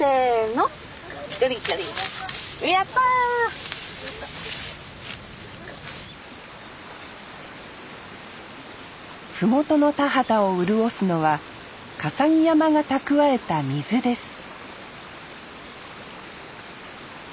麓の田畑を潤すのは笠置山が蓄えた水です